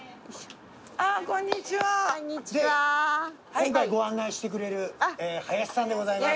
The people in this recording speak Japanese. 今回ご案内してくれる林さんでございます。